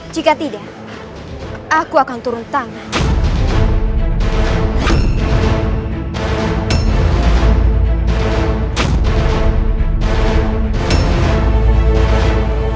jika tidak aku akan turun tangan